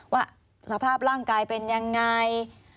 ว่าสภาพร่างกายเป็นยังไง